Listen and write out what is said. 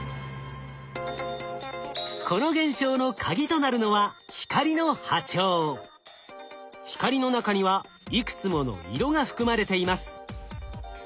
この現象のカギとなるのは光の中にはいくつもの色が含まれています。